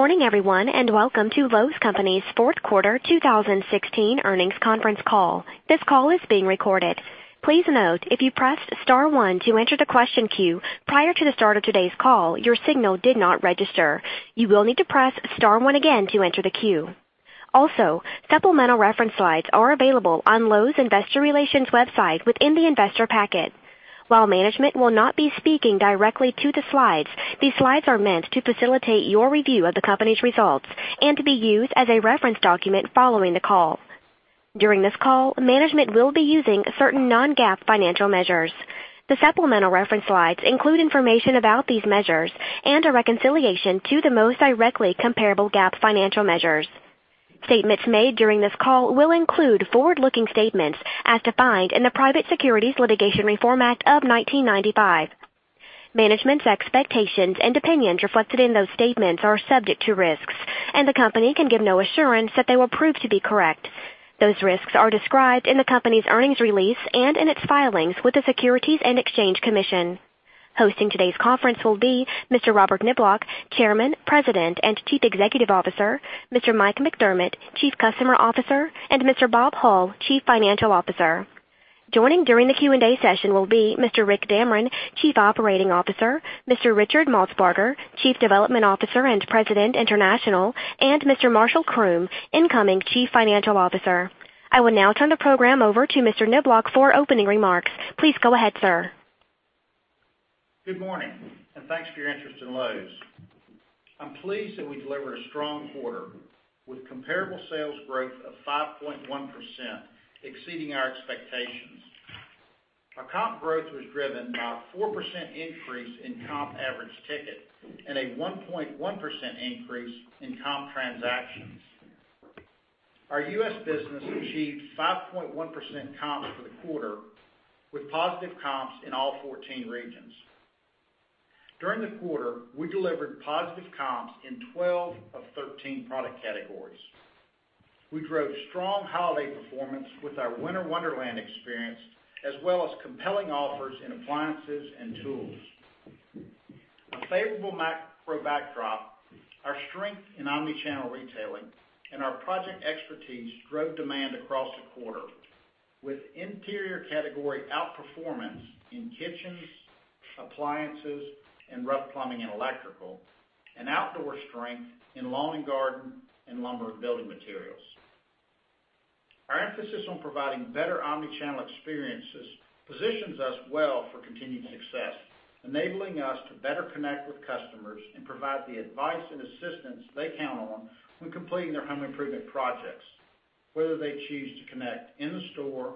Morning, everyone, and welcome to Lowe's Companies Fourth Quarter 2016 Earnings Conference Call. This call is being recorded. Please note, if you pressed star one to enter the question queue prior to the start of today's call, your signal did not register. You will need to press star one again to enter the queue. Also, supplemental reference slides are available on Lowe's Investor Relations website within the investor packet. While management will not be speaking directly to the slides, these slides are meant to facilitate your review of the company's results and to be used as a reference document following the call. During this call, management will be using certain non-GAAP financial measures. The supplemental reference slides include information about these measures and a reconciliation to the most directly comparable GAAP financial measures. Statements made during this call will include forward-looking statements as defined in the Private Securities Litigation Reform Act of 1995. Management's expectations and opinions reflected in those statements are subject to risks, and the company can give no assurance that they will prove to be correct. Those risks are described in the company's earnings release and in its filings with the Securities and Exchange Commission. Hosting today's conference will be Mr. Robert Niblock, Chairman, President, and Chief Executive Officer, Mr. Mike McDermott, Chief Customer Officer, and Mr. Bob Hull, Chief Financial Officer. Joining during the Q&A session will be Mr. Rick Damron, Chief Operating Officer, Mr. Richard Maltsbarger, Chief Development Officer and President, International, and Mr. Marshall Croom, incoming Chief Financial Officer. I will now turn the program over to Mr. Niblock for opening remarks. Please go ahead, sir. Good morning, and thanks for your interest in Lowe's. I'm pleased that we delivered a strong quarter with comparable sales growth of 5.1%, exceeding our expectations. Our comp growth was driven by a 4% increase in comp average ticket and a 1.1% increase in comp transactions. Our U.S. business achieved 5.1% comps for the quarter, with positive comps in all 14 regions. During the quarter, we delivered positive comps in 12 of 13 product categories. We drove strong holiday performance with our Winter Wonderland experience, as well as compelling offers in appliances and tools. A favorable macro backdrop, our strength in omni-channel retailing, and our project expertise drove demand across the quarter with interior category outperformance in kitchens, appliances, and rough plumbing and electrical, and outdoor strength in lawn and garden, and lumber and building materials. Our emphasis on providing better omni-channel experiences positions us well for continued success, enabling us to better connect with customers and provide the advice and assistance they count on when completing their home improvement projects, whether they choose to connect in the store,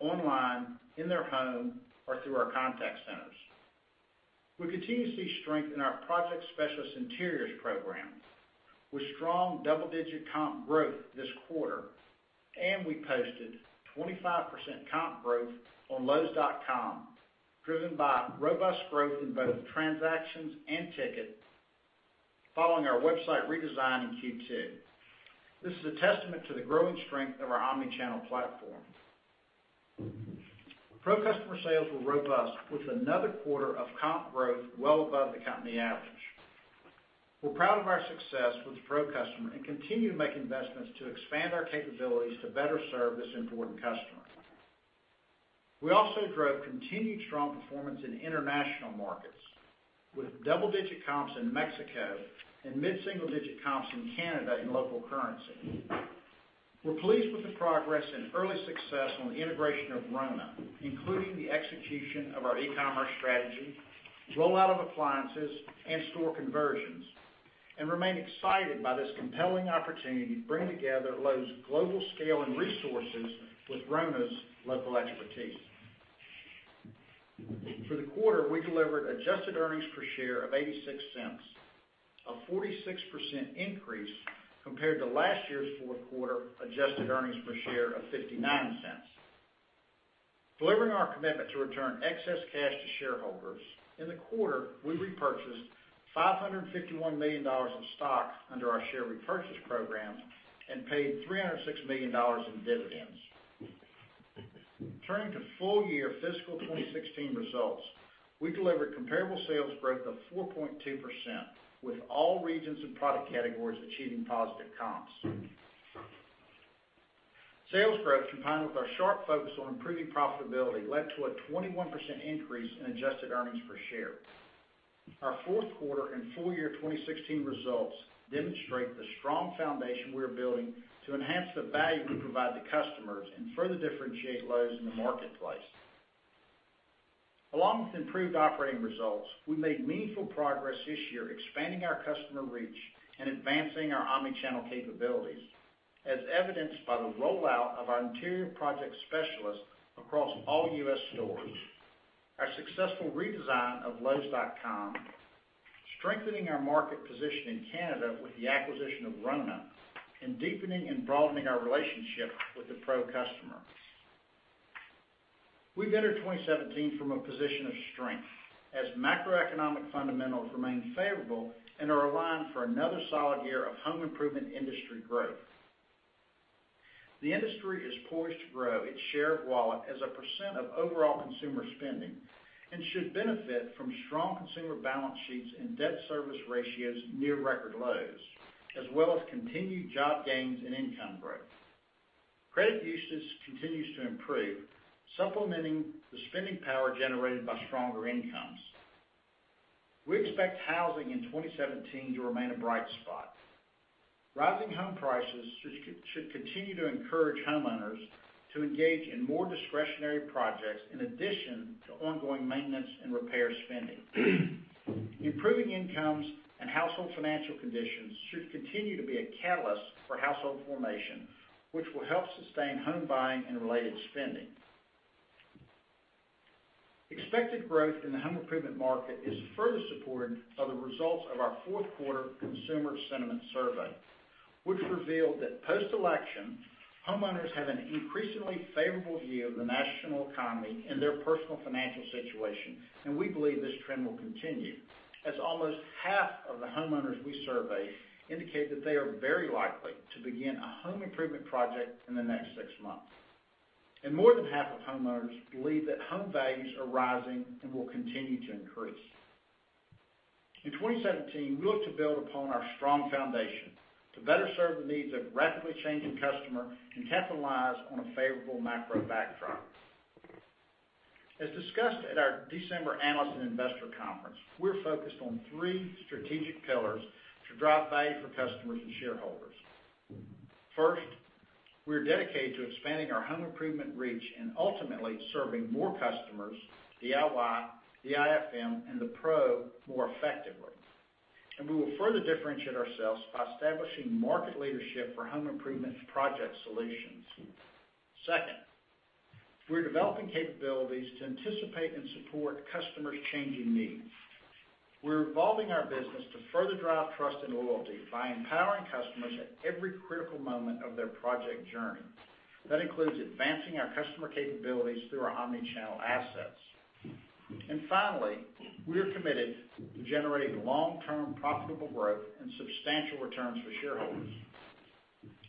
online, in their home, or through our contact centers. We continue to see strength in our Project Specialist Interiors program with strong double-digit comp growth this quarter, and we posted 25% comp growth on lowes.com, driven by robust growth in both transactions and ticket following our website redesign in Q2. This is a testament to the growing strength of our omni-channel platform. Pro customer sales were robust, with another quarter of comp growth well above the company average. We're proud of our success with the Pro customer and continue to make investments to expand our capabilities to better serve this important customer. We also drove continued strong performance in international markets with double-digit comps in Mexico and mid-single-digit comps in Canada in local currency. We are pleased with the progress and early success on the integration of Rona, including the execution of our e-commerce strategy, rollout of appliances, and store conversions, and remain excited by this compelling opportunity to bring together Lowe's global scale and resources with Rona's local expertise. For the quarter, we delivered adjusted earnings per share of $0.86, a 46% increase compared to last year's fourth quarter adjusted earnings per share of $0.59. Delivering our commitment to return excess cash to shareholders, in the quarter, we repurchased $551 million in stock under our share repurchase program and paid $306 million in dividends. Turning to full-year fiscal 2016 results, we delivered comparable sales growth of 4.2%, with all regions and product categories achieving positive comps. Sales growth, combined with our sharp focus on improving profitability, led to a 21% increase in adjusted earnings per share. Our fourth quarter and full year 2016 results demonstrate the strong foundation we are building to enhance the value we provide to customers and further differentiate Lowe's in the marketplace. Along with improved operating results, we made meaningful progress this year expanding our customer reach and advancing our omni-channel capabilities, as evidenced by the rollout of our interior project specialists across all U.S. stores, our successful redesign of lowes.com, strengthening our market position in Canada with the acquisition of Rona, and deepening and broadening our relationship with the pro customer. We have entered 2017 from a position of strength as macroeconomic fundamentals remain favorable and are aligned for another solid year of home improvement industry growth. The industry is poised to grow its share of wallet as a percent of overall consumer spending and should benefit from strong consumer balance sheets and debt service ratios near record lows, as well as continued job gains and income growth. Credit usage continues to improve, supplementing the spending power generated by stronger incomes. We expect housing in 2017 to remain a bright spot. Rising home prices should continue to encourage homeowners to engage in more discretionary projects, in addition to ongoing maintenance and repair spending. Improving incomes and household financial conditions should continue to be a catalyst for household formation, which will help sustain home buying and related spending. Expected growth in the home improvement market is further supported by the results of our fourth quarter consumer sentiment survey, which revealed that post-election, homeowners have an increasingly favorable view of the national economy and their personal financial situation. We believe this trend will continue, as almost half of the homeowners we surveyed indicated that they are very likely to begin a home improvement project in the next six months. More than half of homeowners believe that home values are rising and will continue to increase. In 2017, we look to build upon our strong foundation to better serve the needs of a rapidly changing customer and capitalize on a favorable macro backdrop. As discussed at our December Analyst and Investor Conference, we are focused on three strategic pillars to drive value for customers and shareholders. First, we are dedicated to expanding our home improvement reach and ultimately serving more customers, DIY, DIFM, and the Pro more effectively. We will further differentiate ourselves by establishing market leadership for home improvements project solutions. Second, we are developing capabilities to anticipate and support customers' changing needs. We're evolving our business to further drive trust and loyalty by empowering customers at every critical moment of their project journey. That includes advancing our customer capabilities through our omni-channel assets. Finally, we are committed to generating long-term profitable growth and substantial returns for shareholders.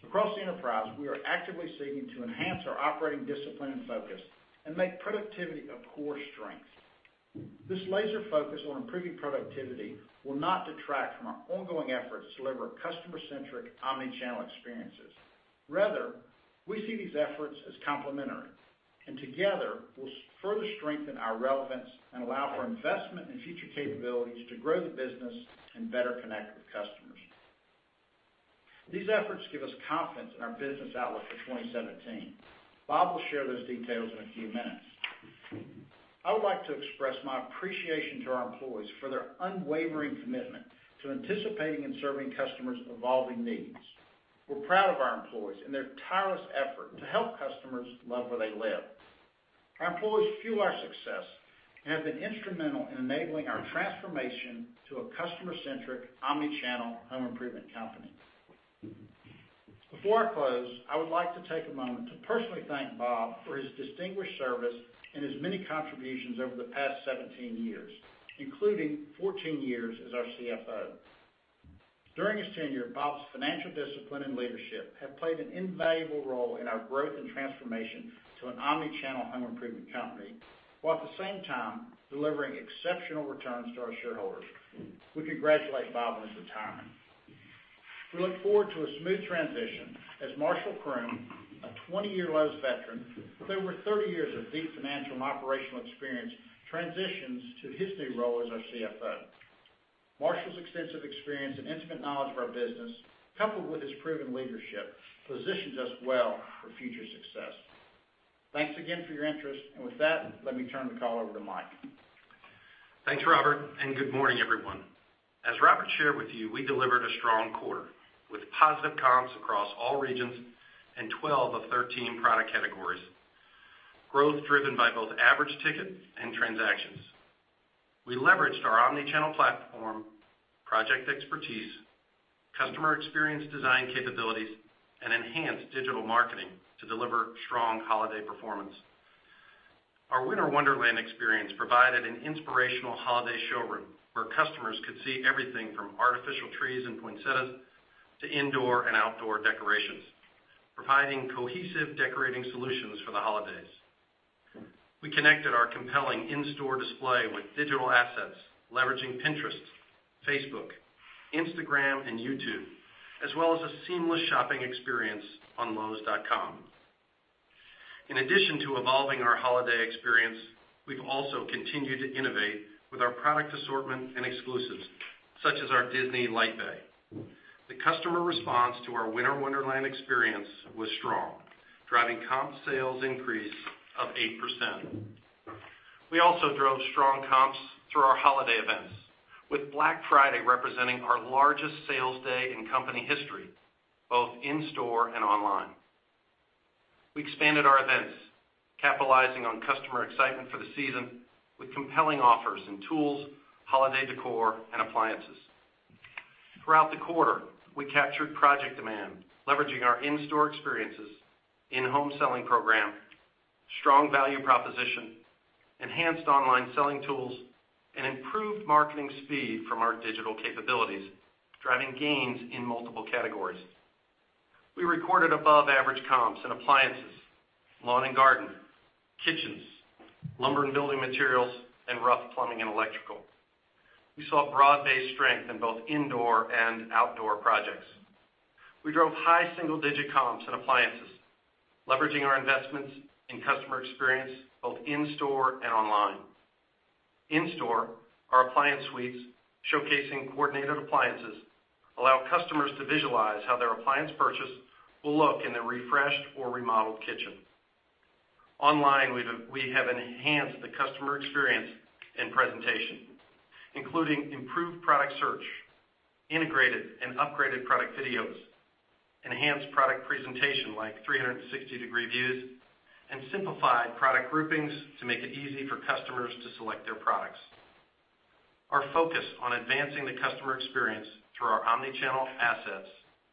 Across the enterprise, we are actively seeking to enhance our operating discipline and focus and make productivity a core strength. This laser focus on improving productivity will not detract from our ongoing efforts to deliver customer-centric omni-channel experiences. Rather, we see these efforts as complementary, and together will further strengthen our relevance and allow for investment in future capabilities to grow the business and better connect with customers. These efforts give us confidence in our business outlook for 2017. Bob will share those details in a few minutes. I would like to express my appreciation to our employees for their unwavering commitment to anticipating and serving customers' evolving needs. We're proud of our employees and their tireless effort to help customers love where they live. Our employees fuel our success and have been instrumental in enabling our transformation to a customer-centric, omni-channel home improvement company. Before I close, I would like to take a moment to personally thank Bob for his distinguished service and his many contributions over the past 17 years, including 14 years as our CFO. During his tenure, Bob's financial discipline and leadership have played an invaluable role in our growth and transformation to an omni-channel home improvement company, while at the same time delivering exceptional returns to our shareholders. We congratulate Bob on his retirement. We look forward to a smooth transition as Marshall Croom, a 20-year Lowe's veteran with over 30 years of deep financial and operational experience, transitions to his new role as our CFO. Marshall's extensive experience and intimate knowledge of our business, coupled with his proven leadership, positions us well for future success. Thanks again for your interest. With that, let me turn the call over to Mike. Thanks, Robert, and good morning, everyone. As Robert shared with you, we delivered a strong quarter with positive comps across all regions and 12 of 13 product categories. Growth driven by both average ticket and transactions. We leveraged our omni-channel platform, project expertise, customer experience design capabilities, and enhanced digital marketing to deliver strong holiday performance. Our Winter Wonderland experience provided an inspirational holiday showroom where customers could see everything from artificial trees and poinsettias to indoor and outdoor decorations, providing cohesive decorating solutions for the holidays. We connected our compelling in-store display with digital assets, leveraging Pinterest, Facebook, Instagram, and YouTube, as well as a seamless shopping experience on lowes.com. In addition to evolving our holiday experience, we've also continued to innovate with our product assortment and exclusives, such as our Disney LightShow. The customer response to our Winter Wonderland experience was strong, driving comp sales increase of 8%. We also drove strong comps through our holiday events, with Black Friday representing our largest sales day in company history, both in-store and online. We expanded our events, capitalizing on customer excitement for the season with compelling offers in tools, holiday decor, and appliances. Throughout the quarter, we captured project demand, leveraging our in-store experiences, in-home selling program, strong value proposition, enhanced online selling tools, and improved marketing speed from our digital capabilities, driving gains in multiple categories. We recorded above-average comps in appliances, lawn and garden, kitchens, lumber and building materials, and rough plumbing and electrical. We saw broad-based strength in both indoor and outdoor projects. We drove high single-digit comps in appliances, leveraging our investments in customer experience both in-store and online. In-store, our appliance suites, showcasing coordinated appliances, allow customers to visualize how their appliance purchase will look in their refreshed or remodeled kitchen. Online, we have enhanced the customer experience and presentation, including improved product search, integrated and upgraded product videos, enhanced product presentation like 360-degree views, and simplified product groupings to make it easy for customers to select their products. Our focus on advancing the customer experience through our omni-channel assets,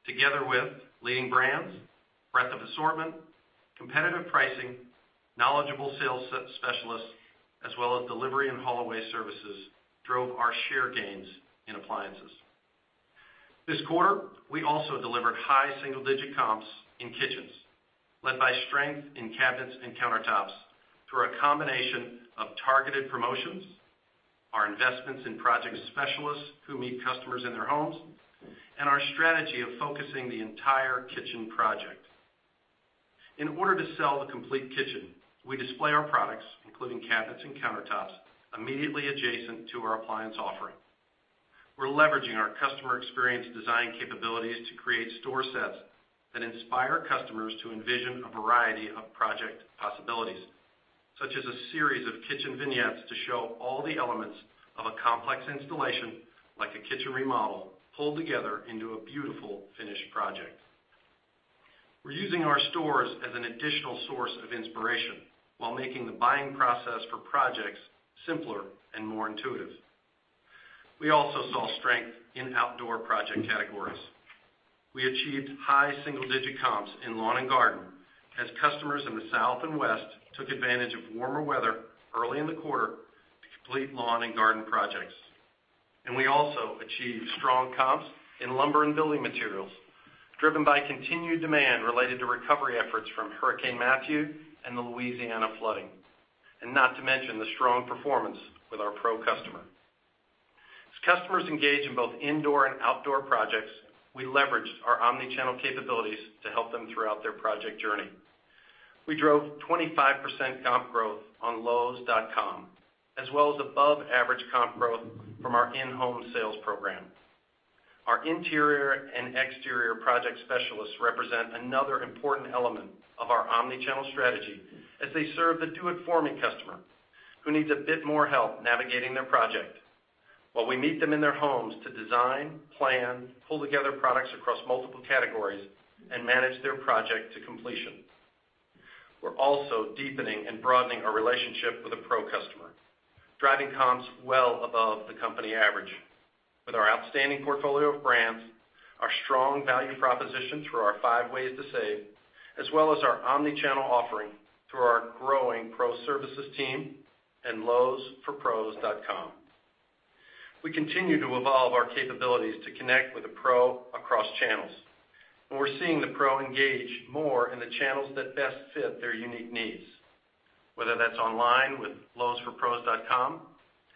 together with leading brands, breadth of assortment, competitive pricing, knowledgeable sales specialists, as well as delivery and haul away services, drove our share gains in appliances. This quarter, we also delivered high single-digit comps in kitchens, led by strength in cabinets and countertops through a combination of targeted promotions, our investments in project specialists who meet customers in their homes, and our strategy of focusing the entire kitchen project. In order to sell the complete kitchen, we display our products, including cabinets and countertops, immediately adjacent to our appliance offering. We're leveraging our customer experience design capabilities to create store sets that inspire customers to envision a variety of project possibilities, such as a series of kitchen vignettes to show all the elements of a complex installation, like a kitchen remodel, pulled together into a beautiful finished project. We're using our stores as an additional source of inspiration while making the buying process for projects simpler and more intuitive. We also saw strength in outdoor project categories. We achieved high single-digit comps in lawn and garden as customers in the South and West took advantage of warmer weather early in the quarter to complete lawn and garden projects. We also achieved strong comps in lumber and building materials, driven by continued demand related to recovery efforts from Hurricane Matthew and the Louisiana flooding. Not to mention the strong performance with our pro customer. As customers engage in both indoor and outdoor projects, we leverage our omni-channel capabilities to help them throughout their project journey. We drove 25% comp growth on lowes.com, as well as above-average comp growth from our in-home sales program. Our interior and exterior project specialists represent another important element of our omni-channel strategy as they serve the do-it-for-me customer who needs a bit more help navigating their project while we meet them in their homes to design, plan, pull together products across multiple categories, and manage their project to completion. We're also deepening and broadening our relationship with the pro customer, driving comps well above the company average with our outstanding portfolio of brands, our strong value proposition through our five ways to save, as well as our omni-channel offering through our growing pro services team and lowesforpros.com. We continue to evolve our capabilities to connect with the pro across channels. We're seeing the pro engage more in the channels that best fit their unique needs, whether that's online with lowesforpros.com,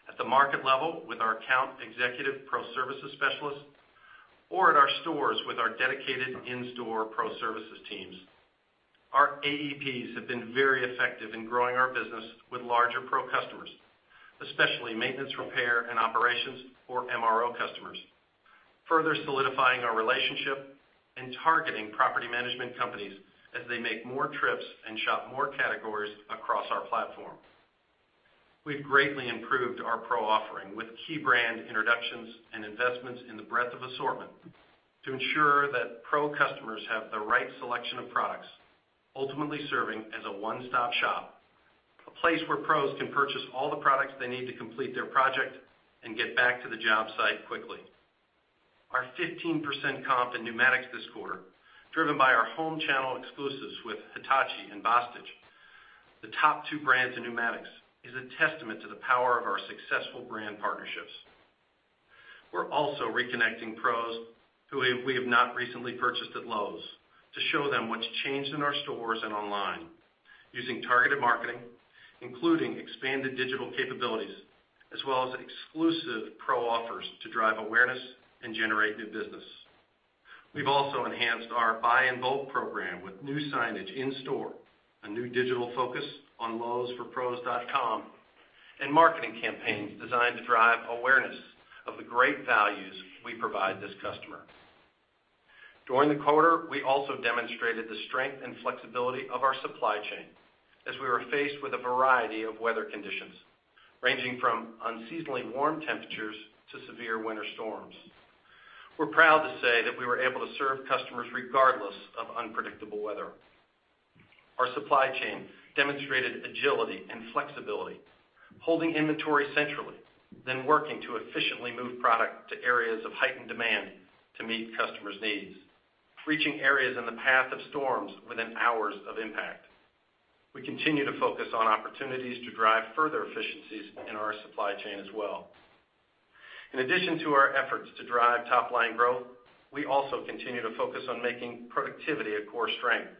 at the market level with our account executive pro services specialists, or at our stores with our dedicated in-store pro services teams. Our AEPs have been very effective in growing our business with larger pro customers, especially maintenance, repair, and operations or MRO customers, further solidifying our relationship and targeting property management companies as they make more trips and shop more categories across our platform. We've greatly improved our pro offering with key brand introductions and investments in the breadth of assortment to ensure that pro customers have the right selection of products, ultimately serving as a one-stop-shop, a place where pros can purchase all the products they need to complete their project and get back to the job site quickly. Our 15% comp in pneumatics this quarter, driven by our home channel exclusives with Hitachi and BOSTITCH, the top two brands in pneumatics, is a testament to the power of our successful brand partnerships. We're also reconnecting pros who we have not recently purchased at Lowe's to show them what's changed in our stores and online using targeted marketing, including expanded digital capabilities, as well as exclusive pro offers to drive awareness and generate new business. We've also enhanced our Buy in Bulk program with new signage in store, a new digital focus on lowesforpros.com, and marketing campaigns designed to drive awareness of the great values we provide this customer. During the quarter, we also demonstrated the strength and flexibility of our supply chain as we were faced with a variety of weather conditions, ranging from unseasonably warm temperatures to severe winter storms. We're proud to say that we were able to serve customers regardless of unpredictable weather. Our supply chain demonstrated agility and flexibility, holding inventory centrally, then working to efficiently move product to areas of heightened demand to meet customers' needs, reaching areas in the path of storms within hours of impact. We continue to focus on opportunities to drive further efficiencies in our supply chain as well. In addition to our efforts to drive top-line growth, we also continue to focus on making productivity a core strength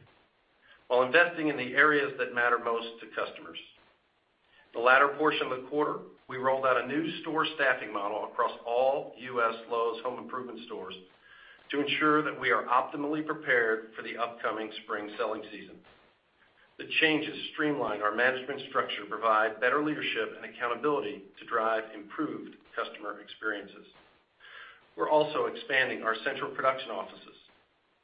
while investing in the areas that matter most to customers. The latter portion of the quarter, we rolled out a new store staffing model across all U.S. Lowe's home improvement stores to ensure that we are optimally prepared for the upcoming spring selling season. The changes streamline our management structure, provide better leadership and accountability to drive improved customer experiences. We're also expanding our central production offices,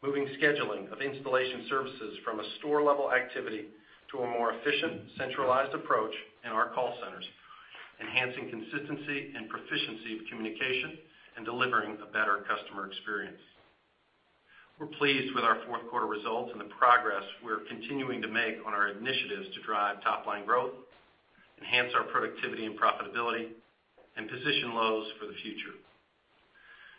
moving scheduling of installation services from a store-level activity to a more efficient, centralized approach in our call centers, enhancing consistency and proficiency of communication, and delivering a better customer experience. We're pleased with our fourth quarter results and the progress we're continuing to make on our initiatives to drive top-line growth, enhance our productivity and profitability, and position Lowe's for the future.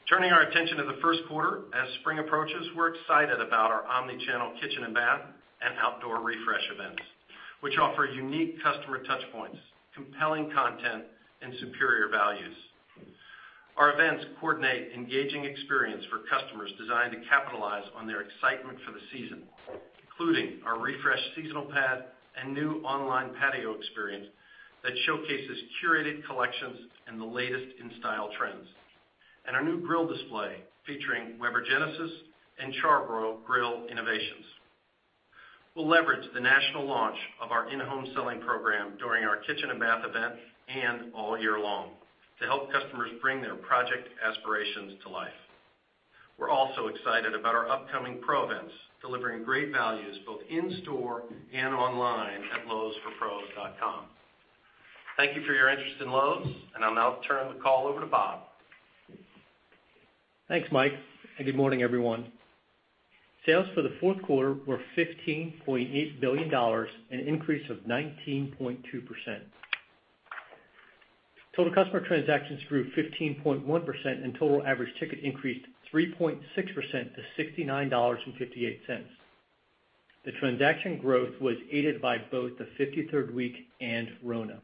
Turning our attention to the first quarter, as spring approaches, we're excited about our omni-channel kitchen and bath and outdoor refresh events, which offer unique customer touchpoints, compelling content, and superior values. Our events coordinate engaging experience for customers designed to capitalize on their excitement for the season, including our refreshed seasonal pad and new online patio experience that showcases curated collections and the latest in-style trends. Our new grill display, featuring Weber Genesis and Char-Broil grill innovations. We'll leverage the national launch of our in-home selling program during our kitchen and bath event and all year long to help customers bring their project aspirations to life. We're also excited about our upcoming Pro events, delivering great values both in-store and online at lowesforpros.com. Thank you for your interest in Lowe's, and I'll now turn the call over to Bob. Thanks, Mike, and good morning, everyone. Sales for the fourth quarter were $15.8 billion, an increase of 19.2%. Total customer transactions grew 15.1%, and total average ticket increased 3.6% to $69.58. The transaction growth was aided by both the 53rd week and RONA.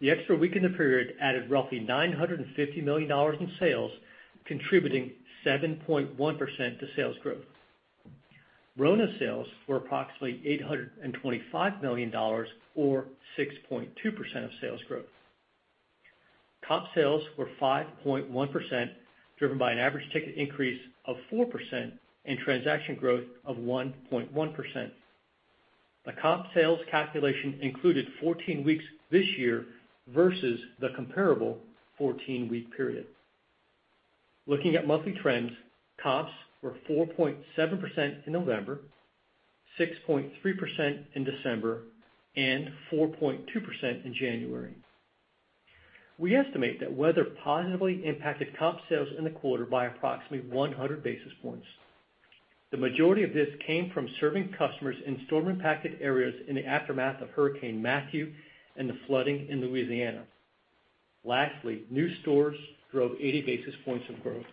The extra week in the period added roughly $950 million in sales, contributing 7.1% to sales growth. RONA sales were approximately $825 million or 6.2% of sales growth. Comp sales were 5.1%, driven by an average ticket increase of 4% and transaction growth of 1.1%. The comp sales calculation included 14 weeks this year versus the comparable 14-week period. Looking at monthly trends, comps were 4.7% in November, 6.3% in December, and 4.2% in January. We estimate that weather positively impacted comp sales in the quarter by approximately 100 basis points. The majority of this came from serving customers in storm-impacted areas in the aftermath of Hurricane Matthew and the flooding in Louisiana. Lastly, new stores drove 80 basis points of growth.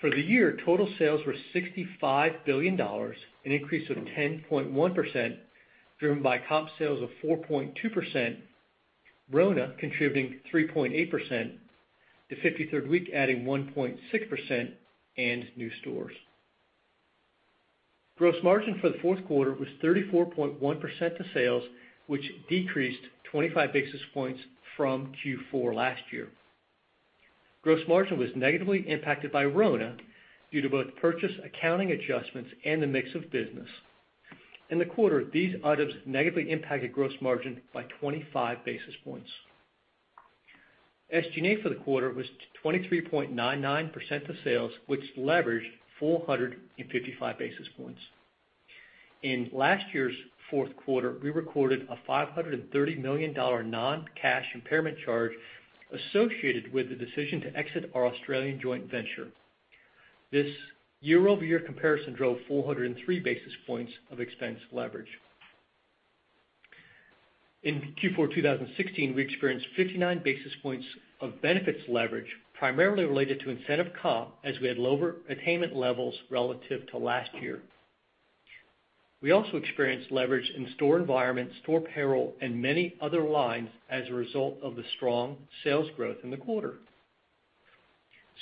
For the year, total sales were $65 billion, an increase of 10.1%, driven by comp sales of 4.2%, RONA contributing 3.8%, the 53rd week adding 1.6%, and new stores. Gross margin for the fourth quarter was 34.1% to sales, which decreased 25 basis points from Q4 last year. Gross margin was negatively impacted by RONA due to both purchase accounting adjustments and the mix of business. In the quarter, these items negatively impacted gross margin by 25 basis points. SG&A for the quarter was 23.99% to sales, which leveraged 455 basis points. In last year's fourth quarter, we recorded a $530 million non-cash impairment charge associated with the decision to exit our Australian joint venture. This year-over-year comparison drove 403 basis points of expense leverage. In Q4 2016, we experienced 59 basis points of benefits leverage, primarily related to incentive comp, as we had lower attainment levels relative to last year. We also experienced leverage in store environment, store payroll, and many other lines as a result of the strong sales growth in the quarter.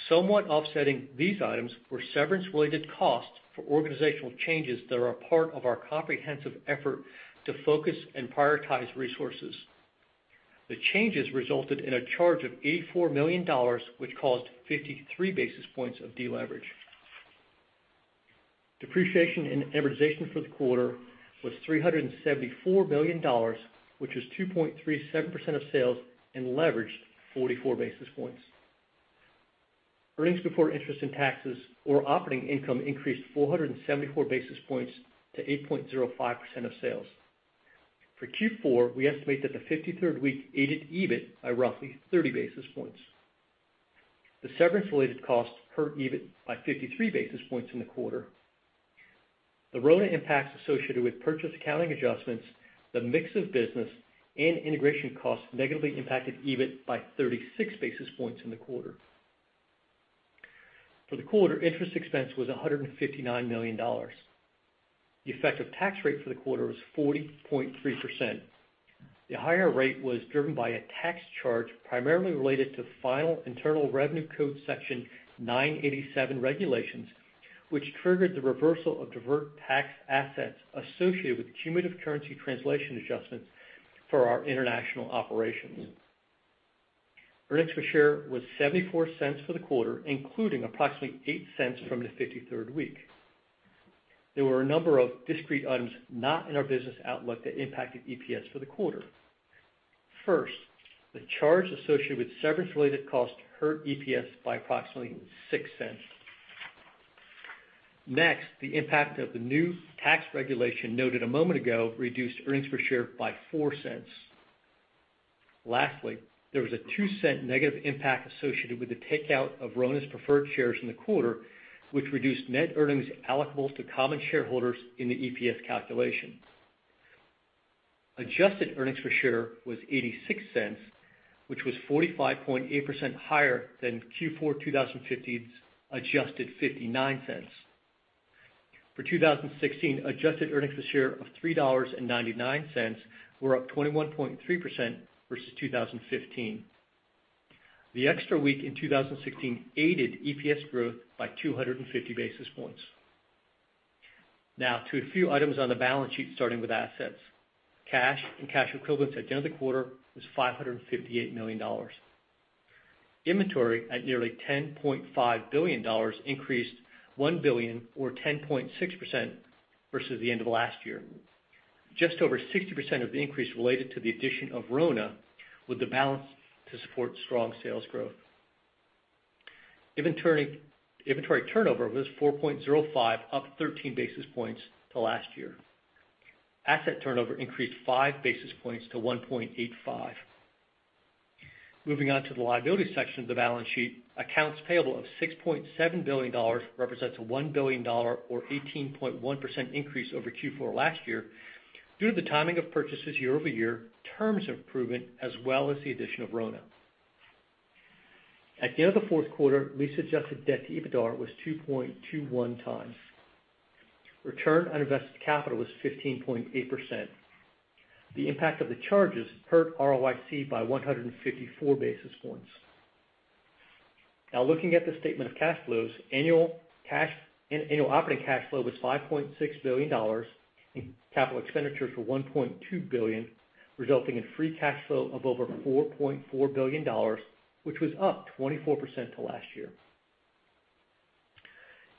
Somewhat offsetting these items were severance-related costs for organizational changes that are a part of our comprehensive effort to focus and prioritize resources. The changes resulted in a charge of $84 million, which caused 53 basis points of deleverage. Depreciation and amortization for the quarter was $374 million, which was 2.37% of sales and leveraged 44 basis points. Earnings before interest and taxes or operating income increased 474 basis points to 8.05% of sales. For Q4, we estimate that the 53rd week aided EBIT by roughly 30 basis points. The severance-related costs hurt EBIT by 53 basis points in the quarter. The RONA impacts associated with purchase accounting adjustments, the mix of business, and integration costs negatively impacted EBIT by 36 basis points in the quarter. For the quarter, interest expense was $159 million. The effective tax rate for the quarter was 40.3%. The higher rate was driven by a tax charge primarily related to final Internal Revenue Code Section 987 regulations, which triggered the reversal of deferred tax assets associated with cumulative currency translation adjustments for our international operations. Earnings per share was $0.74 for the quarter, including approximately $0.08 from the 53rd week. There were a number of discrete items not in our business outlook that impacted EPS for the quarter. First, the charge associated with severance-related costs hurt EPS by approximately $0.06. The impact of the new tax regulation noted a moment ago reduced earnings per share by $0.04. There was a $0.02 negative impact associated with the takeout of RONA's preferred shares in the quarter, which reduced net earnings allocable to common shareholders in the EPS calculation. Adjusted earnings per share was $0.86, which was 45.8% higher than Q4 2015's adjusted $0.59. For 2016, adjusted earnings per share of $3.99 were up 21.3% versus 2015. The extra week in 2016 aided EPS growth by 250 basis points. Now to a few items on the balance sheet, starting with assets. Cash and cash equivalents at the end of the quarter was $558 million. Inventory at nearly $10.5 billion increased $1 billion or 10.6% versus the end of last year. Just over 60% of the increase related to the addition of RONA, with the balance to support strong sales growth. Inventory turnover was 4.05, up 13 basis points to last year. Asset turnover increased five basis points to 1.85. Moving on to the liability section of the balance sheet, accounts payable of $6.7 billion represents a $1 billion or 18.1% increase over Q4 last year due to the timing of purchases year-over-year, terms improvement, as well as the addition of RONA. At the end of the fourth quarter, lease-adjusted debt to EBITDAR was 2.21 times. Return on invested capital was 15.8%. The impact of the charges hurt ROIC by 154 basis points. Looking at the statement of cash flows, annual operating cash flow was $5.6 billion and capital expenditures were $1.2 billion, resulting in free cash flow of over $4.4 billion, which was up 24% to last year.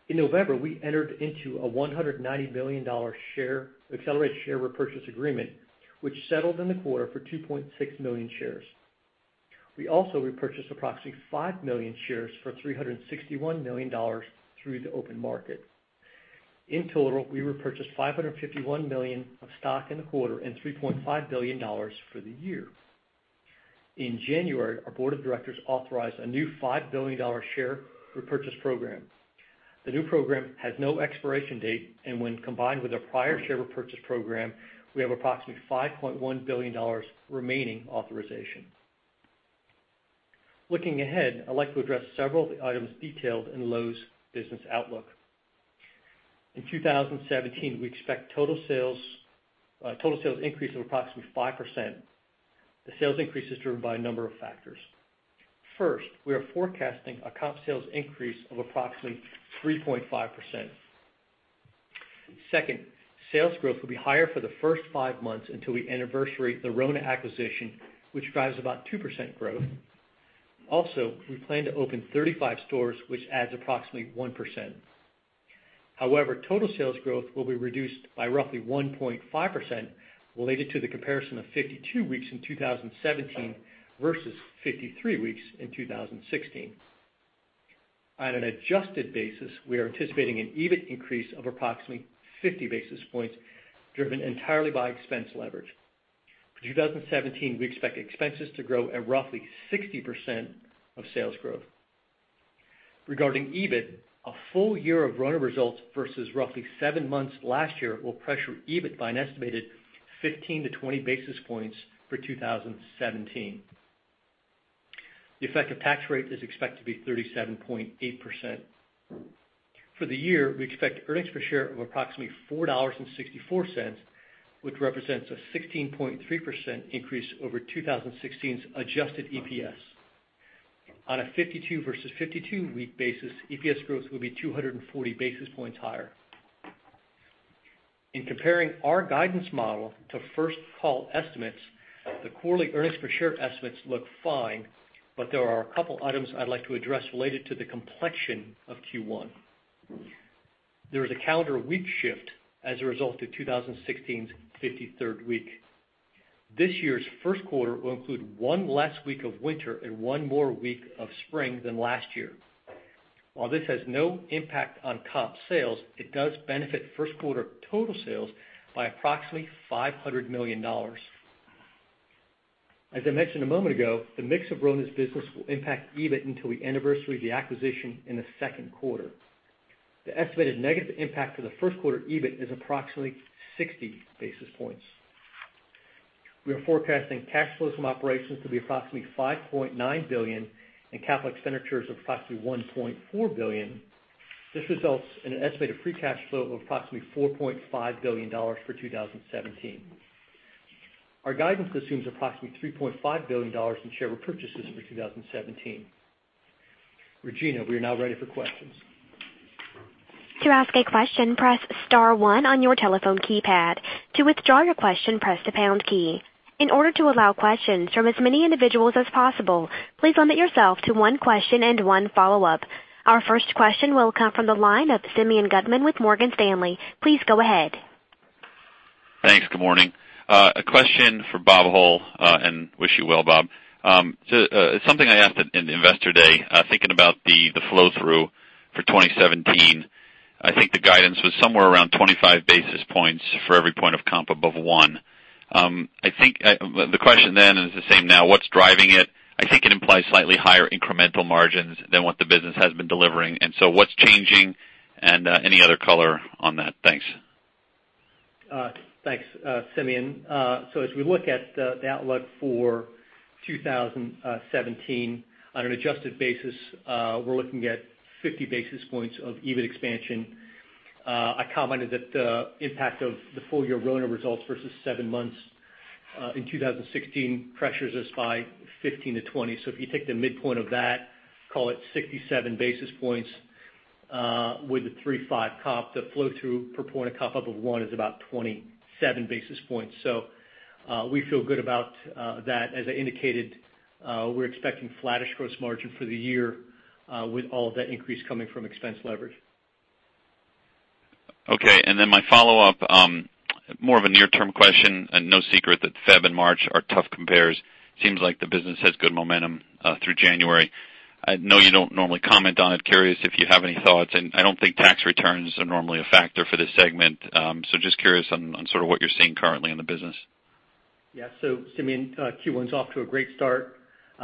In November, we entered into a $190 million accelerated share repurchase agreement, which settled in the quarter for 2.6 million shares. We also repurchased approximately five million shares for $361 million through the open market. In total, we repurchased $551 million of stock in the quarter and $3.5 billion for the year. In January, our board of directors authorized a new $5 billion share repurchase program. The new program has no expiration date, and when combined with our prior share repurchase program, we have approximately $5.1 billion remaining authorization. Looking ahead, I'd like to address several of the items detailed in Lowe's business outlook. In 2017, we expect total sales increase of approximately 5%. The sales increase is driven by a number of factors. First, we are forecasting a comp sales increase of approximately 3.5%. Second, sales growth will be higher for the first five months until we anniversary the RONA acquisition, which drives about 2% growth. Also, we plan to open 35 stores, which adds approximately 1%. However, total sales growth will be reduced by roughly 1.5% related to the comparison of 52 weeks in 2017 versus 53 weeks in 2016. On an adjusted basis, we are anticipating an EBIT increase of approximately 50 basis points, driven entirely by expense leverage. For 2017, we expect expenses to grow at roughly 60% of sales growth. Regarding EBIT, a full year of RONA results versus roughly seven months last year will pressure EBIT by an estimated 15-20 basis points for 2017. The effective tax rate is expected to be 37.8%. For the year, we expect earnings per share of approximately $4.64, which represents a 16.3% increase over 2016's adjusted EPS. On a 52 versus 52 week basis, EPS growth will be 240 basis points higher. In comparing our guidance model to First Call estimates, the quarterly earnings per share estimates look fine, but there are a couple items I'd like to address related to the complexion of Q1. There is a calendar week shift as a result of 2016's 53rd week. This year's first quarter will include one less week of winter and one more week of spring than last year. While this has no impact on comp sales, it does benefit first quarter total sales by approximately $500 million. As I mentioned a moment ago, the mix of RONA's business will impact EBIT until we anniversary the acquisition in the second quarter. The estimated negative impact for the first quarter EBIT is approximately 60 basis points. We are forecasting cash flows from operations to be approximately $5.9 billion and CapEx expenditures of approximately $1.4 billion. This results in an estimated free cash flow of approximately $4.5 billion for 2017. Our guidance consumes approximately $3.5 billion in share repurchases for 2017. Regina, we are now ready for questions. To ask a question, press *1 on your telephone keypad. To withdraw your question, press the # key. In order to allow questions from as many individuals as possible, please limit yourself to one question and one follow-up. Our first question will come from the line of Simeon Gutman with Morgan Stanley. Please go ahead. Thanks. Good morning. A question for Bob Hull, and wish you well, Bob. It's something I asked at Investor Day, thinking about the flow-through for 2017. I think the guidance was somewhere around 25 basis points for every point of comp above one. The question then is the same now. What's driving it? I think it implies slightly higher incremental margins than what the business has been delivering. What's changing, and any other color on that? Thanks. Thanks, Simeon. As we look at the outlook for 2017, on an adjusted basis, we're looking at 50 basis points of EBIT expansion. I commented that the impact of the full year RONA results versus seven months in 2016 pressures us by 15-20. If you take the midpoint of that, call it 67 basis points with the 3.5 comp, the flow-through per point of comp up of one is about 27 basis points. We feel good about that. As I indicated, we're expecting flattish gross margin for the year with all of that increase coming from expense leverage. My follow-up, more of a near-term question, no secret that February and March are tough compares. Seems like the business has good momentum through January. I know you don't normally comment on it. Curious if you have any thoughts, I don't think tax returns are normally a factor for this segment. Just curious on sort of what you're seeing currently in the business. Simeon, Q1's off to a great start.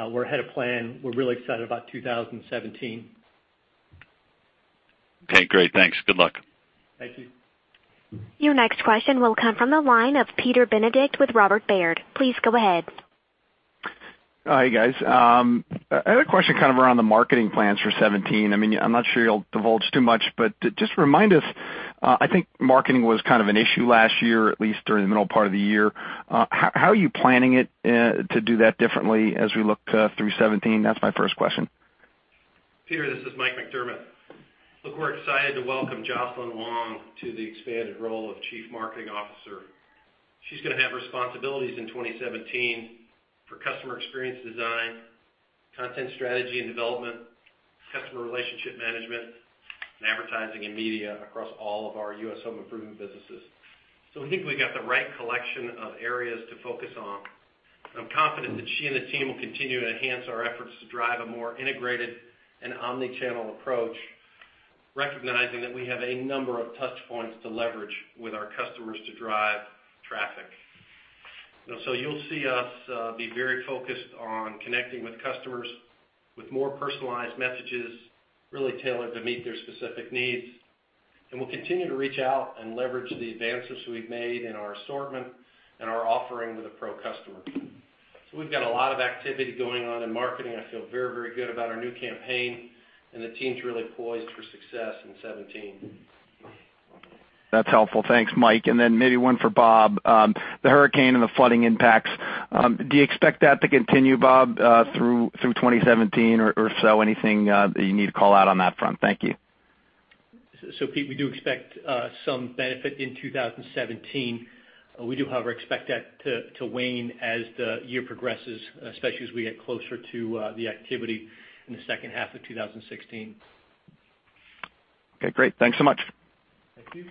We're ahead of plan. We're really excited about 2017. Okay, great. Thanks. Good luck. Thank you. Your next question will come from the line of Peter Benedict with Robert Baird. Please go ahead. Hi, guys. I had a question kind of around the marketing plans for 2017. I'm not sure you'll divulge too much, but just remind us, I think marketing was kind of an issue last year, at least during the middle part of the year. How are you planning it to do that differently as we look through 2017? That's my first question. Peter, this is Mike McDermott. We're excited to welcome Jocelyn Wong to the expanded role of Chief Marketing Officer. She's going to have responsibilities in 2017 for customer experience design, content strategy and development, customer relationship management, and advertising and media across all of our U.S. home improvement businesses. We think we've got the right collection of areas to focus on. I'm confident that she and the team will continue to enhance our efforts to drive a more integrated and omni-channel approach, recognizing that we have a number of touch points to leverage with our customers to drive traffic. You'll see us be very focused on connecting with customers with more personalized messages really tailored to meet their specific needs. We'll continue to reach out and leverage the advances we've made in our assortment and our offering with a pro customer. We've got a lot of activity going on in marketing. I feel very, very good about our new campaign, the team's really poised for success in 2017. That's helpful. Thanks, Mike. Maybe one for Bob. The hurricane and the flooding impacts, do you expect that to continue, Bob, through 2017 or so? Anything that you need to call out on that front? Thank you. Pete, we do expect some benefit in 2017. We do, however, expect that to wane as the year progresses, especially as we get closer to the activity in the second half of 2016. Okay, great. Thanks so much. Thank you.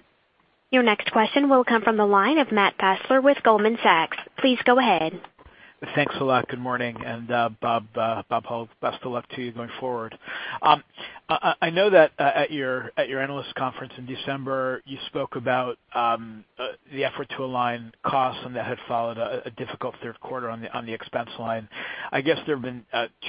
Your next question will come from the line of Matt Fassler with Goldman Sachs. Please go ahead. Thanks a lot. Good morning. Bob Hull, best of luck to you going forward. I know that at your analyst conference in December, you spoke about the effort to align costs, and that had followed a difficult third quarter on the expense line. I guess there have been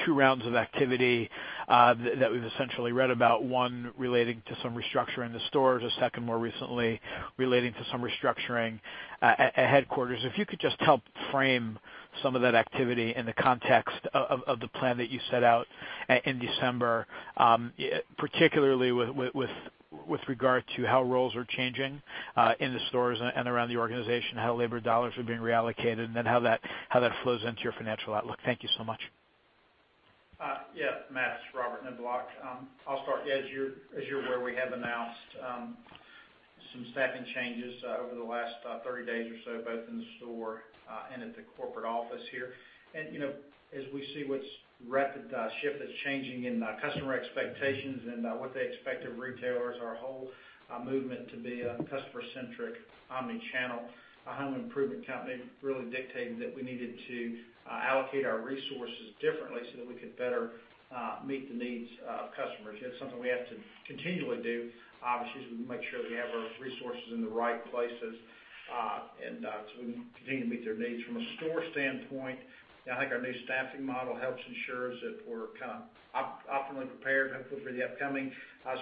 two rounds of activity that we've essentially read about, one relating to some restructuring the stores, a second more recently relating to some restructuring at headquarters. If you could just help frame some of that activity in the context of the plan that you set out in December, particularly with regard to how roles are changing in the stores and around the organization, how labor dollars are being reallocated, and then how that flows into your financial outlook. Thank you so much. Yeah, Matt, it's Robert Niblock. I'll start. As you're aware, we have announced some staffing changes over the last 30 days or so, both in the store and at the corporate office here. As we see this rapid shift that's changing in customer expectations and what they expect of retailers, our whole movement to be a customer-centric, omni-channel home improvement company really dictated that we needed to allocate our resources differently so that we could better meet the needs of customers. It's something we have to continually do, obviously, as we make sure we have our resources in the right places so we continue to meet their needs. From a store standpoint, I think our new staffing model helps ensures that we're optimally prepared, hopefully for the upcoming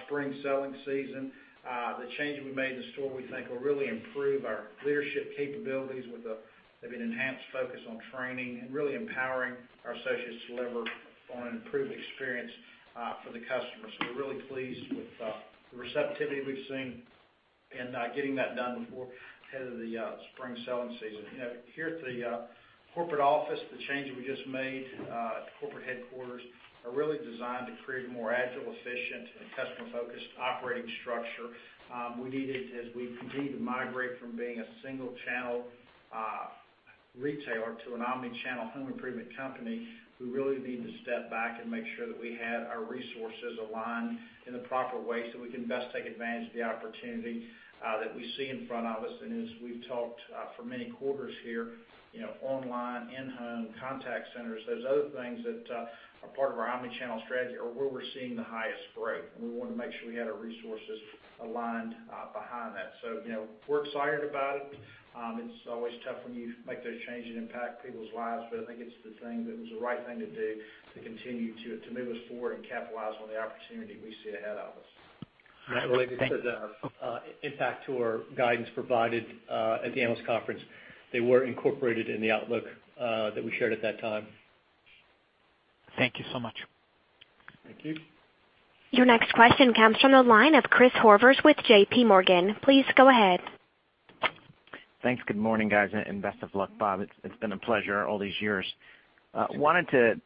spring selling season. The changes we made in the store we think will really improve our leadership capabilities with an enhanced focus on training and really empowering our associates to deliver on an improved experience for the customer. We're really pleased with the receptivity we've seen in getting that done before ahead of the spring selling season. Here at the corporate office, the changes we just made at the corporate headquarters are really designed to create a more agile, efficient, and customer-focused operating structure. As we continue to migrate from being a single channel retailer to an omni-channel home improvement company, we really need to step back and make sure that we had our resources aligned in the proper way so we can best take advantage of the opportunity that we see in front of us. As we've talked for many quarters here, online, in-home, contact centers, those other things that are part of our omni-channel strategy are where we're seeing the highest growth, and we want to make sure we had our resources aligned behind that. We're excited about it. It's always tough when you make those changes that impact people's lives. I think it's the right thing to do to continue to move us forward and capitalize on the opportunity we see ahead of us. All right. Thank you. Related to the impact to our guidance provided at the analyst conference, they were incorporated in the outlook that we shared at that time. Thank you so much. Thank you. Your next question comes from the line of Christopher Horvers with J.P. Morgan. Please go ahead. Thanks. Good morning, guys, and best of luck, Bob. It's been a pleasure all these years. Wanted to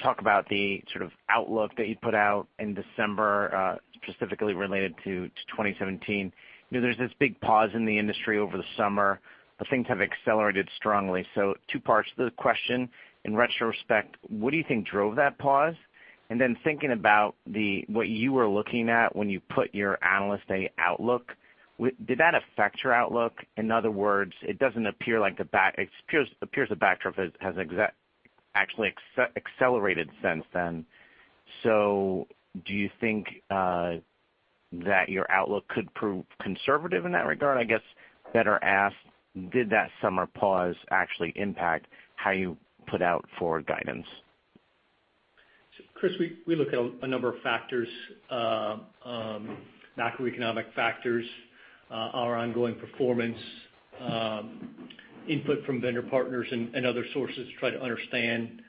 talk about the sort of outlook that you put out in December, specifically related to 2017. There's this big pause in the industry over the summer, but things have accelerated strongly. Two parts to the question. In retrospect, what do you think drove that pause? Thinking about what you were looking at when you put your Analyst Day outlook, did that affect your outlook? In other words, it appears the backdrop has actually accelerated since then. Do you think that your outlook could prove conservative in that regard? I guess better asked, did that summer pause actually impact how you put out for guidance? Chris, we look at a number of factors. Macroeconomic factors, our ongoing performance, input from vendor partners and other sources to try to understand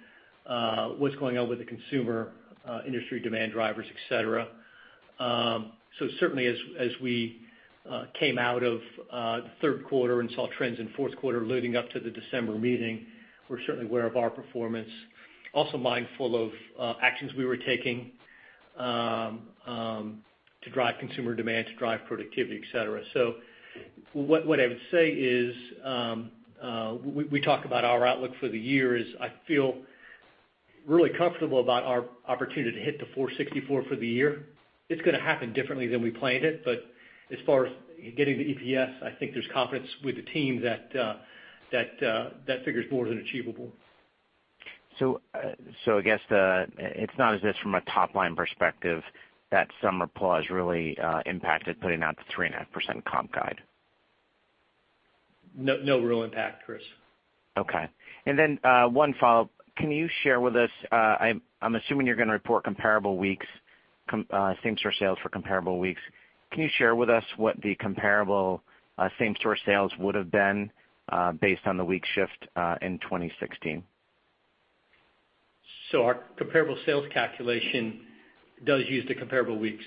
what's going on with the consumer industry demand drivers, et cetera. Certainly as we came out of the third quarter and saw trends in fourth quarter leading up to the December meeting, we're certainly aware of our performance. Also mindful of actions we were taking to drive consumer demand, to drive productivity, et cetera. What I would say is, we talk about our outlook for the year is I feel really comfortable about our opportunity to hit the 464 for the year. It's going to happen differently than we planned it, but as far as getting the EPS, I think there's confidence with the team that figure's more than achievable. I guess it's not as if from a top-line perspective that summer pause really impacted putting out the 3.5% comp guide. No real impact, Chris. Okay. One follow-up. Can you share with us-- I'm assuming you're going to report comparable weeks, same store sales for comparable weeks. Can you share with us what the comparable same store sales would have been based on the week shift in 2016? Our comparable sales calculation does use the comparable weeks.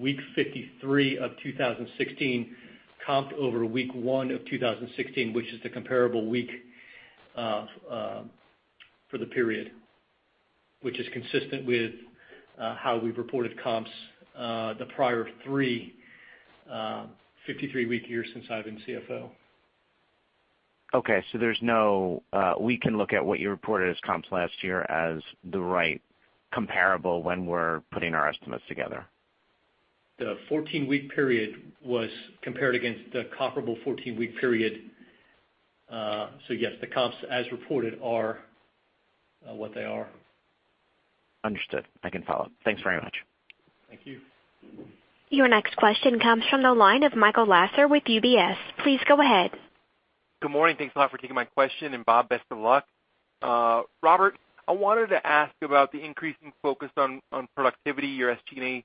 Week 53 of 2016 comped over week 1 of 2016, which is the comparable week for the period. Which is consistent with how we've reported comps the prior three 53-week years since I've been CFO. Okay. We can look at what you reported as comps last year as the right comparable when we're putting our estimates together. The 14-week period was compared against the comparable 14-week period. Yes, the comps as reported are what they are. Understood. I can follow up. Thanks very much. Thank you. Your next question comes from the line of Michael Lasser with UBS. Please go ahead. Good morning. Thanks a lot for taking my question. Bob, best of luck. Robert, I wanted to ask about the increasing focus on productivity. Your SG&A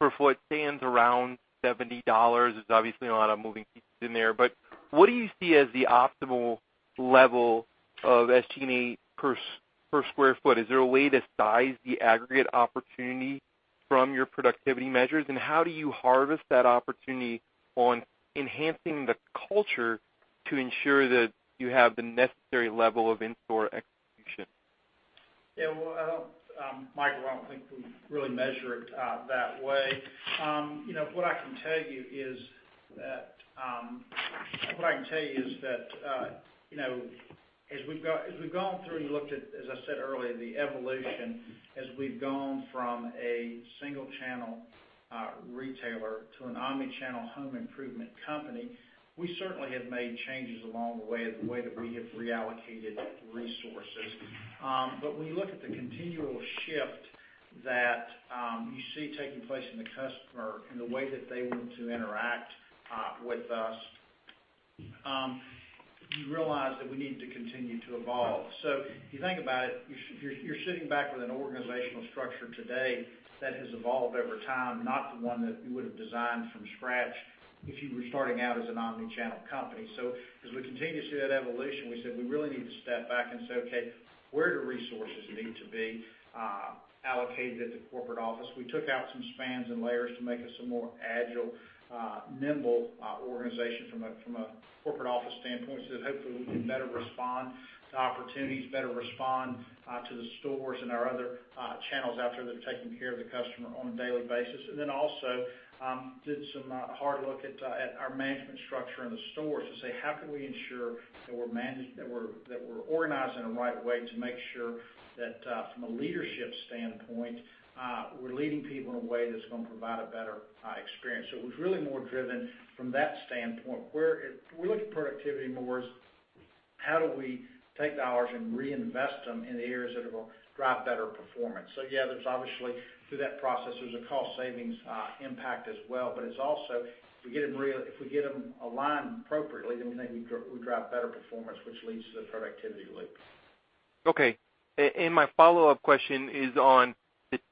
per foot stands around $70. There's obviously a lot of moving pieces in there, but what do you see as the optimal level of SG&A per square foot? Is there a way to size the aggregate opportunity from your productivity measures? How do you harvest that opportunity on enhancing the culture to ensure that you have the necessary level of in-store execution? Well, Michael, I don't think we really measure it that way. What I can tell you is that as we've gone through and looked at, as I said earlier, the evolution as we've gone from a single channel retailer to an omni-channel home improvement company. We certainly have made changes along the way, the way that we have reallocated resources. When you look at the continual shift that you see taking place in the customer in the way that they want to interact with us, you realize that we need to continue to evolve. If you think about it, you're sitting back with an organizational structure today that has evolved over time, not the one that you would've designed from scratch if you were starting out as an omni-channel company. As we continue to see that evolution, we said we really need to step back and say, okay, where do resources need to be allocated at the corporate office? We took out some spans and layers to make us a more agile, nimble organization from a corporate office standpoint, so that hopefully we can better respond to opportunities, better respond to the stores and our other channels out there that are taking care of the customer on a daily basis. Also did some hard look at our management structure in the stores to say, how can we ensure that we're organized in the right way to make sure that from a leadership standpoint, we're leading people in a way that's going to provide a better experience. It was really more driven from that standpoint, where if we look at productivity more, how do we take dollars and reinvest them in the areas that will drive better performance? Yeah, there's obviously through that process, there's a cost savings impact as well, but it's also if we get them aligned appropriately, then we think we drive better performance, which leads to the productivity loop. Okay. My follow-up question is on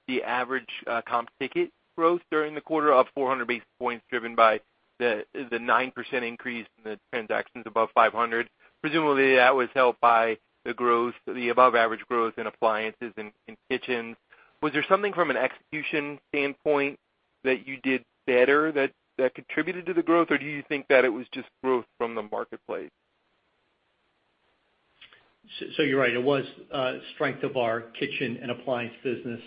the average comp ticket growth during the quarter of 400 basis points, driven by the 9% increase in the transactions above 500. Presumably, that was helped by the above-average growth in appliances and in kitchens. Was there something from an execution standpoint that you did better that contributed to the growth, or do you think that it was just growth from the marketplace? You're right. It was strength of our kitchen and appliance business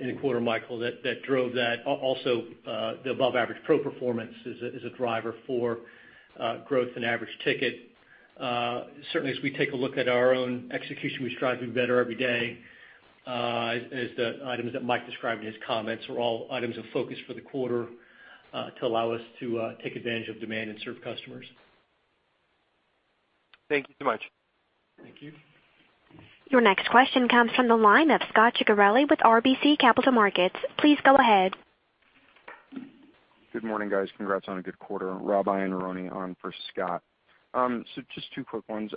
in the quarter, Michael, that drove that. Also, the above-average pro performance is a driver for growth and average ticket. Certainly as we take a look at our own execution, we strive to be better every day. As the items that Mike described in his comments were all items of focus for the quarter to allow us to take advantage of demand and serve customers. Thank you so much. Thank you. Your next question comes from the line of Scot Ciccarelli with RBC Capital Markets. Please go ahead. Good morning, guys. Congrats on a good quarter. Robert Iannarone on for Scot. Just two quick ones.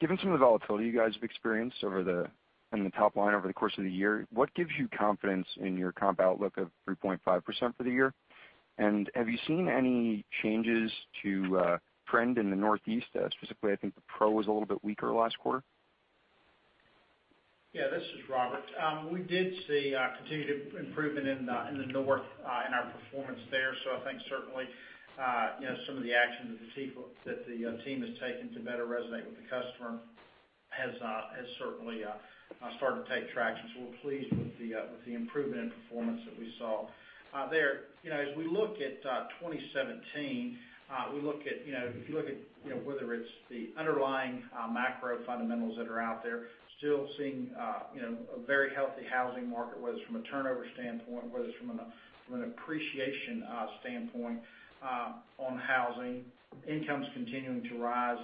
Given some of the volatility you guys have experienced in the top line over the course of the year, what gives you confidence in your comp outlook of 3.5% for the year? Have you seen any changes to trend in the Northeast specifically? I think the pro was a little bit weaker last quarter. Yeah, this is Robert. We did see continued improvement in the North in our performance there. I think certainly some of the actions that the team has taken to better resonate with the customer has certainly started to take traction. We're pleased with the improvement in performance that we saw there. As we look at 2017, if you look at whether it's the underlying macro fundamentals that are out there, still seeing a very healthy housing market, whether it's from a turnover standpoint, whether it's from an appreciation standpoint on housing. Incomes continuing to rise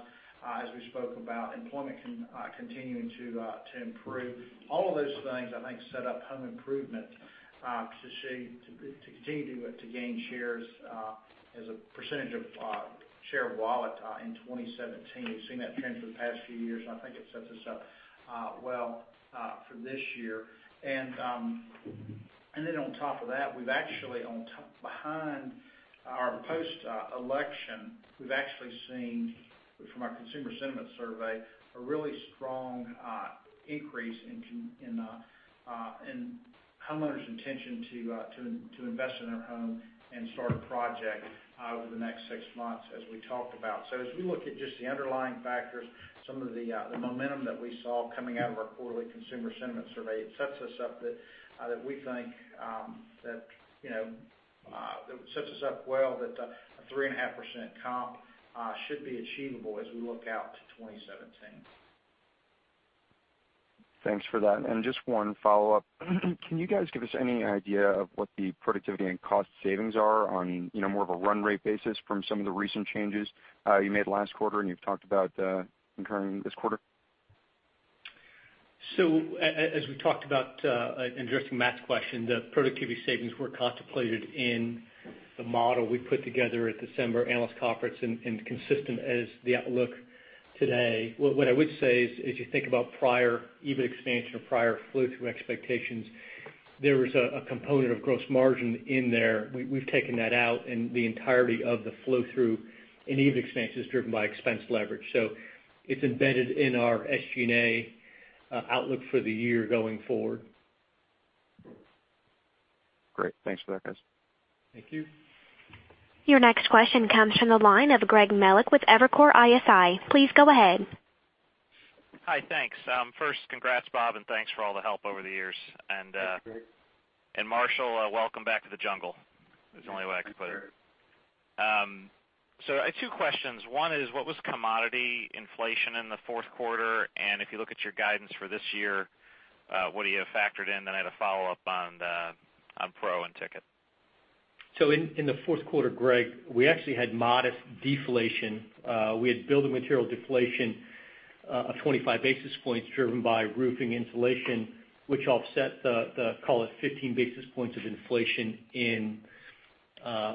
as we spoke about employment continuing to improve. All of those things, I think, set up home improvement to continue to gain shares as a percentage of share of wallet in 2017. I think it sets us up well for this year. On top of that, behind our post-election, we've actually seen from our consumer sentiment survey, a really strong increase in homeowners' intention to invest in their home and start a project over the next six months as we talked about. As we look at just the underlying factors, some of the momentum that we saw coming out of our quarterly consumer sentiment survey, it sets us up well that a 3.5% comp should be achievable as we look out to 2017. Thanks for that. Just one follow-up. Can you guys give us any idea of what the productivity and cost savings are on more of a run rate basis from some of the recent changes you made last quarter and you've talked about incurring this quarter? As we talked about in addressing Matt's question, the productivity savings were contemplated in the model we put together at December analyst conference and consistent as the outlook today. What I would say is, as you think about prior EBIT expansion or prior flow through expectations, there was a component of gross margin in there. We've taken that out, and the entirety of the flow through in EBIT expansion is driven by expense leverage. It's embedded in our SG&A outlook for the year going forward. Great. Thanks for that, guys. Thank you. Your next question comes from the line of Greg Melich with Evercore ISI. Please go ahead. Hi, thanks. First congrats, Bob, and thanks for all the help over the years. Marshall, welcome back to the jungle. That's the only way I can put it. Yes, sir. I have two questions. One is what was commodity inflation in the fourth quarter? If you look at your guidance for this year, what do you have factored in? I had a follow-up on. In the fourth quarter, Greg, we actually had modest deflation. We had building material deflation of 25 basis points driven by roofing insulation, which offset the, call it 15 basis points of inflation in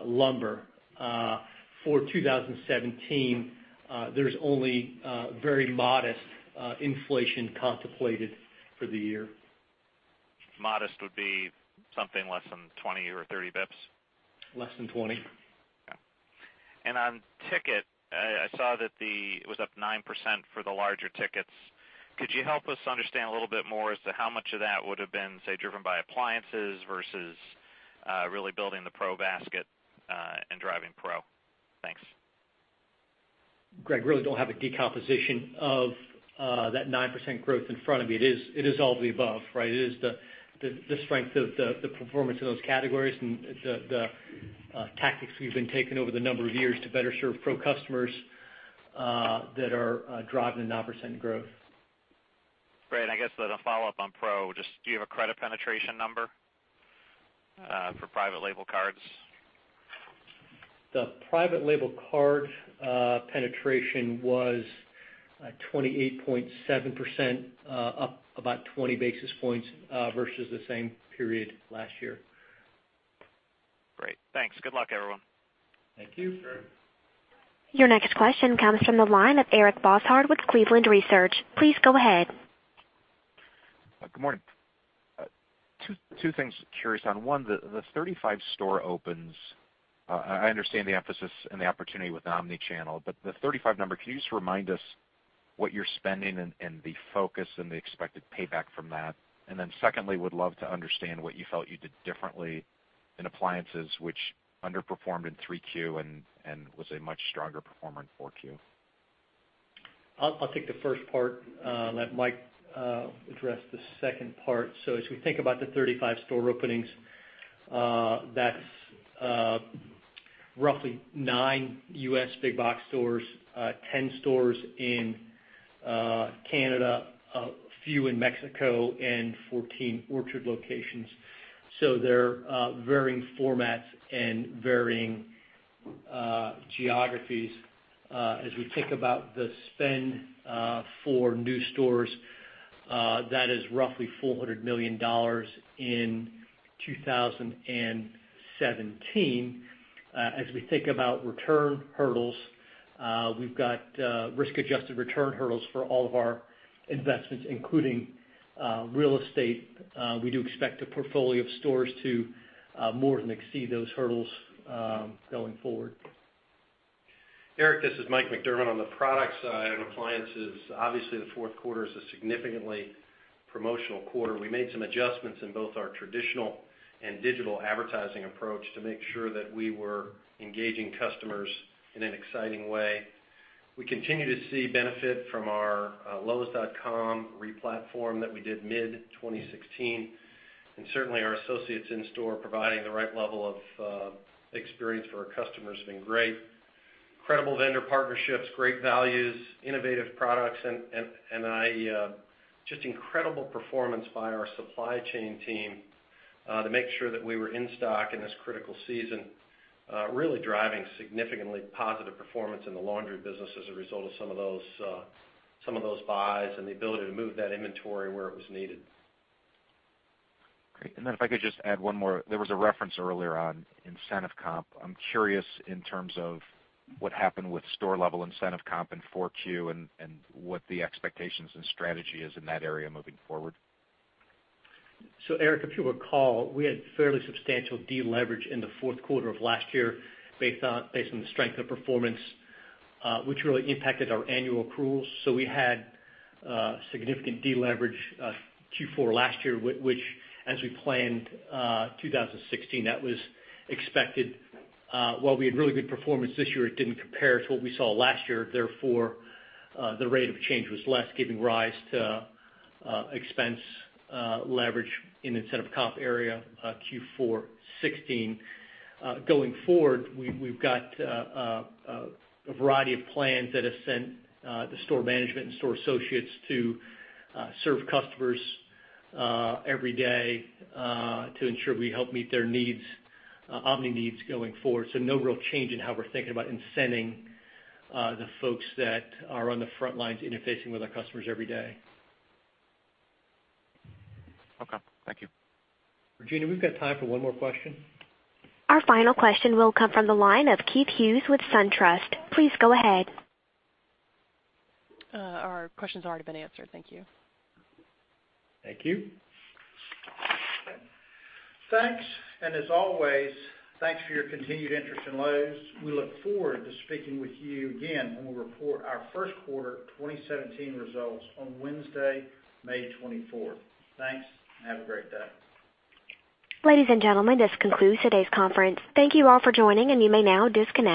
lumber. For 2017, there's only very modest inflation contemplated for the year. Modest would be something less than 20 or 30 basis points? Less than 20. Okay. On ticket, I saw that it was up 9% for the larger tickets. Could you help us understand a little bit more as to how much of that would've been, say, driven by appliances versus really building the Pro basket, and driving Pro? Thanks. Greg, really don't have a decomposition of that 9% growth in front of me. It is all of the above, right? It is the strength of the performance in those categories and the tactics we've been taking over the number of years to better serve Pro customers that are driving the 9% growth. Great. I guess as a follow-up on Pro, just do you have a credit penetration number for private label cards? The private label card penetration was 28.7%, up about 20 basis points versus the same period last year. Great. Thanks. Good luck everyone. Thank you. Sure. Your next question comes from the line of Eric Bosshard with Cleveland Research. Please go ahead. Good morning. Two things curious on, one, the 35 store opens. I understand the emphasis and the opportunity with omni-channel, but the 35 number, can you just remind us what you're spending and the focus and the expected payback from that? Secondly, would love to understand what you felt you did differently in appliances, which underperformed in Q3 and was a much stronger performer in Q4. I'll take the first part, let Mike address the second part. As we think about the 35 store openings, that is roughly nine U.S. big box stores, 10 stores in Canada, a few in Mexico, and 14 Orchard locations. They are varying formats and varying geographies. As we think about the spend for new stores, that is roughly $400 million in 2017. As we think about return hurdles, we've got risk-adjusted return hurdles for all of our investments, including real estate. We do expect a portfolio of stores to more than exceed those hurdles going forward. Eric, this is Mike McDermott on the product side and appliances. Obviously, the fourth quarter is a significantly promotional quarter. We made some adjustments in both our traditional and digital advertising approach to make sure that we were engaging customers in an exciting way. We continue to see benefit from our lowes.com replatform that we did mid-2016, and certainly our associates in store providing the right level of experience for our customers has been great. Credible vendor partnerships, great values, innovative products and just incredible performance by our supply chain team, to make sure that we were in stock in this critical season, really driving significantly positive performance in the laundry business as a result of some of those buys and the ability to move that inventory where it was needed. Great. If I could just add one more. There was a reference earlier on incentive comp. I am curious in terms of what happened with store-level incentive comp in Q4 and what the expectations and strategy is in that area moving forward. Eric, if you recall, we had fairly substantial deleverage in the fourth quarter of last year based on the strength of performance, which really impacted our annual accruals. We had significant deleverage Q4 last year, which as we planned 2016, that was expected. While we had really good performance this year, it did not compare to what we saw last year, therefore, the rate of change was less, giving rise to expense leverage in incentive comp area Q4 2016. Going forward, we've got a variety of plans that have sent the store management and store associates to serve customers every day, to ensure we help meet their needs, omni needs going forward. No real change in how we are thinking about incenting the folks that are on the front lines interfacing with our customers every day. Okay, thank you. Regina, we've got time for one more question. Our final question will come from the line of Keith Hughes with SunTrust. Please go ahead. Our questions have already been answered. Thank you. Thank you. Thanks, and as always, thanks for your continued interest in Lowe's. We look forward to speaking with you again when we report our first quarter 2017 results on Wednesday, May 24th. Thanks, and have a great day. Ladies and gentlemen, this concludes today's conference. Thank you all for joining, and you may now disconnect.